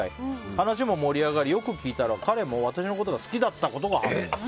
話も盛り上がりよく聞いたら、彼も私のことが好きだったことが判明。